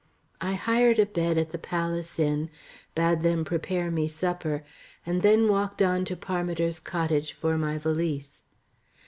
I hired a bed at the "Palace" Inn, bade them prepare me supper and then walked on to Parmiter's cottage for my valise.